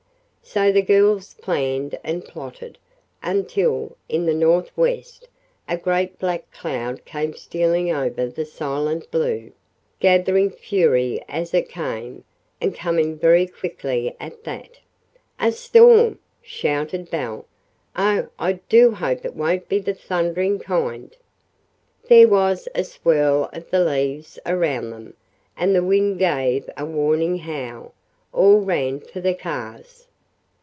So the girls planned and plotted, until, in the northwest, a great black cloud came stealing over the silent blue, gathering fury as it came, and coming very quickly at that. "A storm!" shouted Belle. "Oh, I do hope it won't be the thundering kind!" There was a swirl of the leaves around them, and the wind gave a warning howl. All ran for the cars.